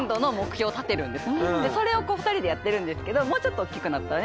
それを２人でやってるんですけどもうちょっとおっきくなったらね